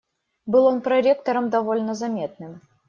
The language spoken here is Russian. Был он проректором, довольно заметным.